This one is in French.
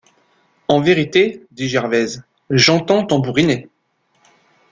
En vérité, dit Gervaise, j’entends tambouriner.